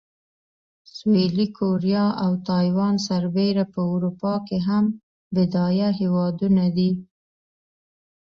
سویلي کوریا او تایوان سربېره په اروپا کې هم بډایه هېوادونه دي.